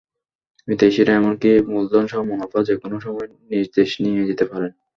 বিদেশিরা এমনকি মূলধনসহ মুনাফা যেকোনো সময় নিজ দেশে নিয়ে যেতে পারেন।